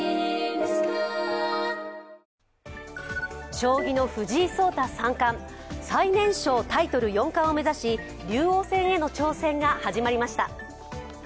将棋の藤井聡太三冠、最年少タイトル四冠を目指し竜王戦への挑戦が始まりました。